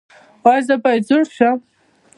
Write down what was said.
ایا زه باید زوړ شم؟